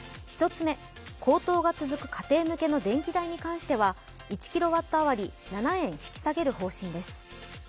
１つ目、高騰が続く家庭向けの電気代については１キロワット当たり、７円引き下げる方針です。